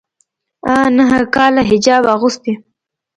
ا نهه کاله حجاب اغوستی